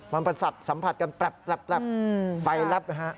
มันสัดสัมผัสกันปรับไฟลับ